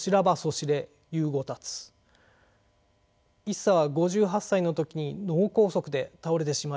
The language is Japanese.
一茶は５８歳の時に脳梗塞で倒れてしまいます。